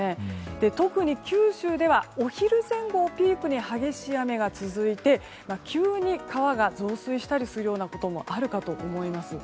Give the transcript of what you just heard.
特に九州ではお昼前後をピークに激しい雨が続いて、急に川が増水したりするようなこともあるかと思います。